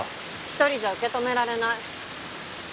一人じゃ受け止められない。